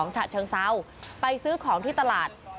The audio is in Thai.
ฉะเชิงเซาไปซื้อของที่ตลาด